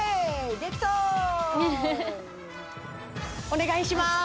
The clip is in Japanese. お願いします！